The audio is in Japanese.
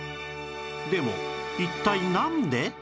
でも一体なんで？